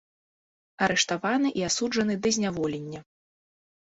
Арыштаваны і асуджаны да зняволення.